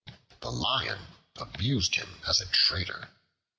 The Lion abused him as a traitor.